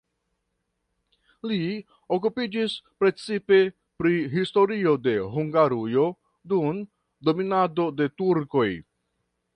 Li okupiĝis precipe pri historio de Hungarujo dum dominado de turkoj.